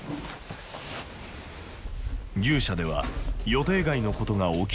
牛舎では予定外のことが起きていた。